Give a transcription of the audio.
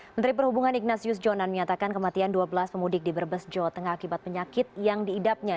menteri perhubungan ignatius jonan menyatakan kematian dua belas pemudik di berbes jawa tengah akibat penyakit yang diidapnya